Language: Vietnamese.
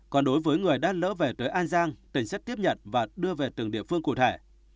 còn đối với người đã lỡ về tới an giang tỉnh sẽ tiếp nhận và đưa về từng địa phương cụ thể